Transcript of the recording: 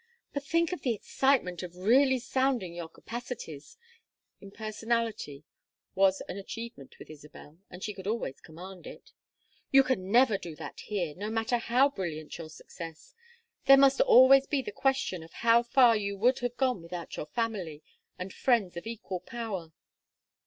"But think of the excitement of really sounding your capacities!" Impersonality was an achievement with Isabel and she could always command it. "You can never do that here, no matter how brilliant your success. There must always be the question of how far you would have gone without your family, and friends of equal power.